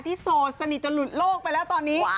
โสดสนิทจนหลุดโลกไปแล้วตอนนี้